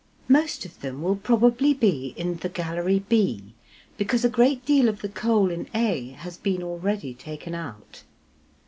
Most of them will probably be in the gallery b, because a great deal of the coal in a has been already taken out.